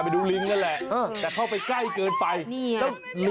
วิทยาลัยศาสตร์อัศวิทยาลัยศาสตร์